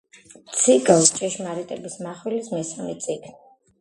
ციკლ „ჭეშმარიტების მახვილის“ მესამე წიგნი.